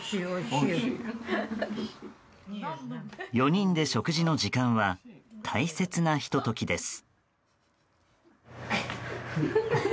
４人で食事の時間は大切なひと時です。